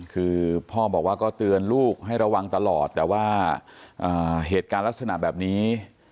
คือพ่อบอกว่าก็เตือนลูกให้ระวังตลอดแต่ว่าเหตุการณ์ลักษณะแบบนี้